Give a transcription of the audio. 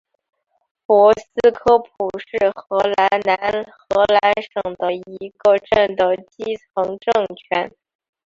博斯科普是荷兰南荷兰省的一个镇的基层政权。